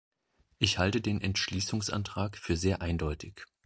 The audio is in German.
Ich halte den Entschließungsantrag für sehr eindeutig.